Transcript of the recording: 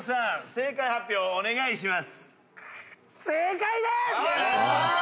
正解発表をお願いします。